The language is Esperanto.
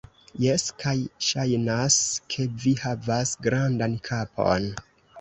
Jes, kaj ŝajnas ke vi havas grandan kapon